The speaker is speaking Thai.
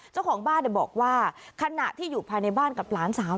เจ้าของบ้านบอกว่าขณะที่อยู่ภายในบ้านกับหลานสาว